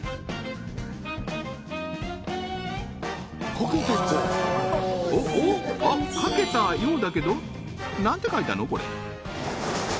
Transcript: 果たしておっおっ書けたようだけど何て書いたのこれ？